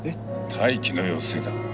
待機の要請だ。